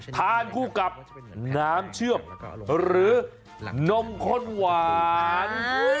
ทานคู่กับน้ำเชื่อมหรือนมข้นหวาน